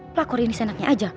pelakor ini senangnya aja